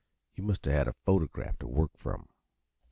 You must a had a photograph t' work from."